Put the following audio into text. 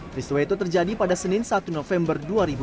peristiwa itu terjadi pada senin satu november dua ribu dua puluh